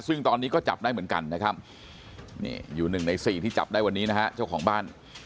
ซึ่งตอนนี้ก็จับได้เหมือนกันนะครับนี่อยู่๑ใน๔ที่จับได้วันนี้นะฮะเจ้าของบ้าน